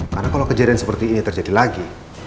karena kalau kejadian seperti ini terjadi lagi